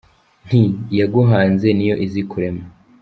Nti: Iyaguhanze ni yo izi kurema